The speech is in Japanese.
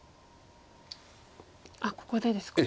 あっここでですか。